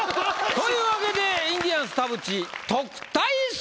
⁉という訳でインディアンス田渕特待生！